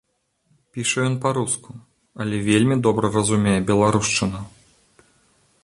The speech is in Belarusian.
Піша ён па-руску, але вельмі добра разумее беларушчыну.